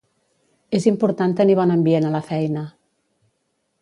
És important tenir bon ambient a la feina.